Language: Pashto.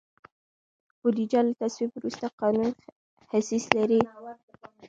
بودیجه له تصویب وروسته قانوني حیثیت لري.